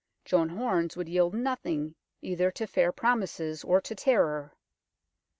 Joan Horns would yield nothing either to fair promises or to terror.